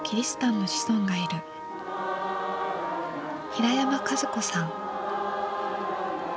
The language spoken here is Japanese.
平山和子さん。